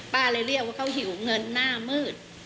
เลยเรียกว่าเขาหิวเงินหน้ามืด